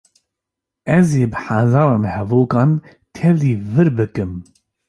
Ez ê bi hezaran hevokan tevlî vir bikim.